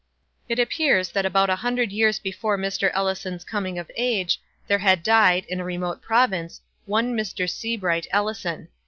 It appears that about a hundred years before Mr. Ellison's coming of age, there had died, in a remote province, one Mr. Seabright Ellison.